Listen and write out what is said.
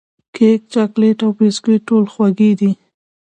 کیک، چاکلېټ او بسکوټ ټول خوږې دي.